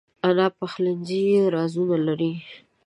انا د پخلي رازونه لري